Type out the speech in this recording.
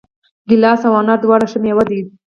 ګیلاس او انار دواړه ښه مېوې دي.